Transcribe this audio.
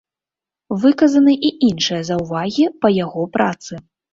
Выказаны і іншыя заўвагі па яго працы.